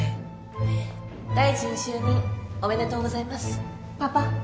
大臣就任おめでとうございますパパ。